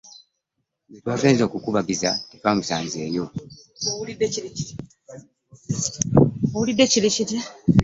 Gwe twagenze okukubagiza tetwamusanzeeyo.